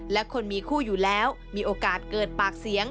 และคนมีคู่อยู่แล้วมีโอกาสเกิดปากเสียง